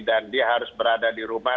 dan dia harus berada di rumah